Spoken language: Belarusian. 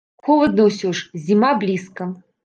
Холадна ўсё ж, зіма блізка.